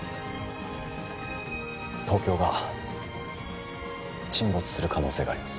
東京が沈没する可能性があります